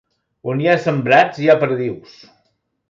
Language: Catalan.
On hi ha sembrats hi ha perdius.